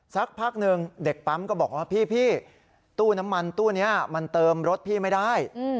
สักพักหนึ่งเด็กปั๊มก็บอกว่าพี่ตู้น้ำมันตู้นี้มันเติมรถพี่ไม่ได้